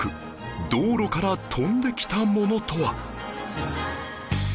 道路から飛んできたものとは